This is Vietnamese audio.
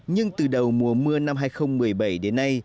nhưng từ đầu mùa mưa năm hai nghìn một mươi bảy đến nay